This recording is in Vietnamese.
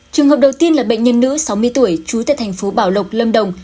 trường hợp đầu tiên là bệnh nhân nữ sáu mươi tuổi trú tại tp bảo lộc lâm đồng